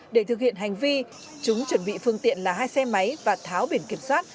để thực hiện hành vi chúng chuẩn bị phương tiện là hai xe máy và tháo biển kiểm soát